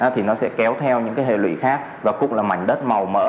thì nó sẽ kéo theo những hệ lụy khác và cũng là mảnh đất màu mỡ